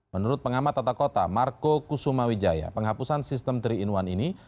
menurut pengamat tata kota marco kusuma wijaya penghapusan sistem tiga in satu ini